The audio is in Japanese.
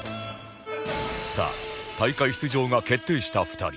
さあ大会出場が決定した２人